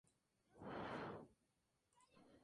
Corola de color violeta.